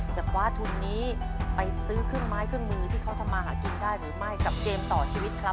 จะคว้าทุนนี้ไปซื้อเครื่องไม้เครื่องมือที่เขาทำมาหากินได้หรือไม่กับเกมต่อชีวิตครับ